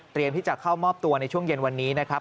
ที่จะเข้ามอบตัวในช่วงเย็นวันนี้นะครับ